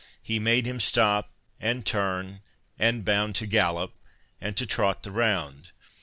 He made him stop, and turn, and bound, To gallop, and to trot the round.